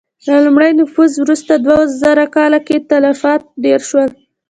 له لومړي نفوذ وروسته دوه زره کاله کې تلفات ډېر شول.